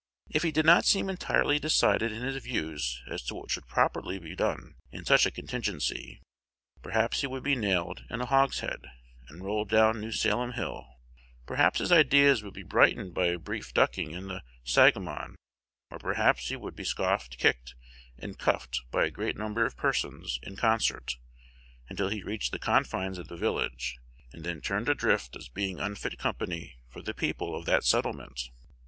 If he did not seem entirely decided in his views as to what should properly be done in such a contingency, perhaps he would be nailed in a hogshead, and rolled down New Salem hill; perhaps his ideas would be brightened by a brief ducking in the Sangamon; or perhaps he would be scoffed, kicked, and cuffed by a great number of persons in concert, until he reached the confines of the village, and then turned adrift as being unfit company for the people of that settlement.